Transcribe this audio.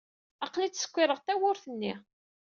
Aql-i ttsekkiṛeɣ-d tawwurt-nni.